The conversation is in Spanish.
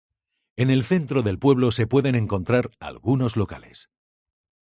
En el centro del pueblo se pueden encontrar algunos locales.